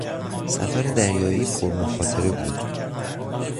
سفر دریایی پرمخاطره بود.